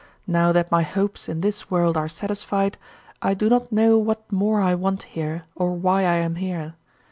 Now that my hopes in this world are satisfied, I do not know what more I want here or why I am here.